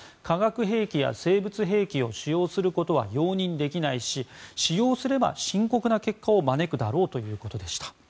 化学兵器や生物兵器を使用することは容認できないし使用すれば深刻な結果を招くだろうということでした。